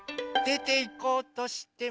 でていこうとしてます。